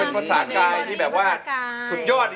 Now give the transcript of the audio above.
เป็นภาษากายที่แบบว่าสุดยอดจริงเลย